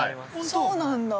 ◆そうなんだ◆